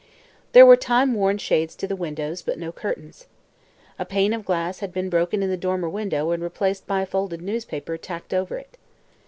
There were time worn shades to the windows, but no curtains. A pane of glass had been broken in the dormer window and replaced by a folded newspaper tacked over it.